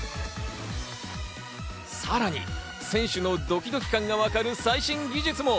さらに選手のドキドキ感がわかる最新技術も。